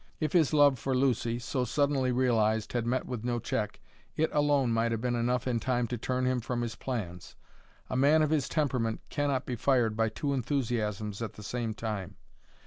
If his love for Lucy, so suddenly realized, had met with no check, it alone might have been enough in time to turn him from his plans. A man of his temperament cannot be fired by two enthusiasms at the same time.